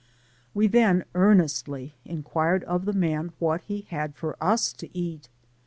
We then earnestly inquired of the man what he had for Us to eat?